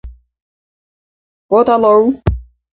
Waterlow.